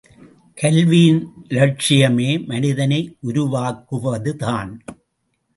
கல்வியின் இலட்சியமே மனிதனை உருவாக்குவதுதான்!